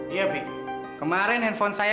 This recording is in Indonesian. iya bri kemarin handphone saya